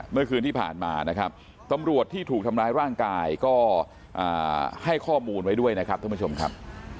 เมื่อคืนที่ผ่านมานะครับตำรวจที่ถูกทำร้ายร่างกายก็ให้ข้อมูลไว้ด้วยนะครับท่านผู้ชมครับ